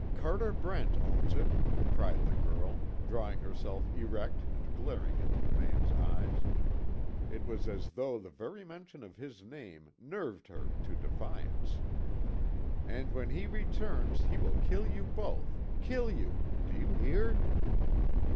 "Carter Brent owns it," cried the girl, drawing herself erect and glaring into the man's eyes. It was as though the very mention of his name, nerved her to defiance. "And when he returns, he will kill you both kill you! Do you hear?"